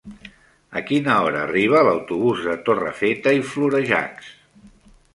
A quina hora arriba l'autobús de Torrefeta i Florejacs?